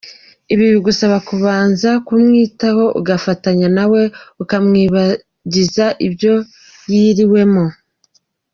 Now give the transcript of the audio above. Ibi bigusaba kubanza kumwitaho ugafatanya nawe, ukamwibagiza ibyo yiriwemo.